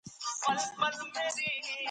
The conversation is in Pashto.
که په تعلیم کې پرمختګ وي، نو بې وزلي نه ده.